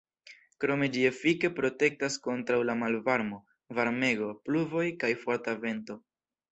Krome ĝi efike protektas kontraŭ la malvarmo, varmego, pluvoj kaj forta vento.